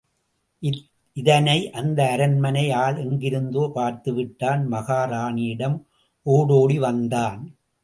இதனை, அந்த அரண்மனை ஆள் எங்கிருந்தோ பார்த்துவிட்டான் மகாராணியிடம் ஒடோடி வந்தான்.